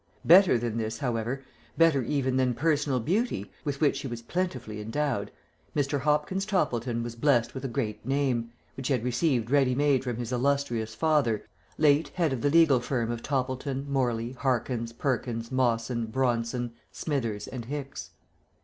Better than this, however, better even than personal beauty, with which he was plentifully endowed, Mr. Hopkins Toppleton was blessed with a great name, which he had received ready made from his illustrious father, late head of the legal firm of Toppleton, Morley, Harkins, Perkins, Mawson, Bronson, Smithers and Hicks.